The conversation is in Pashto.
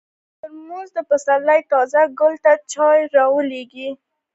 ترموز د پسرلي تازه ګل ته چای راوړي.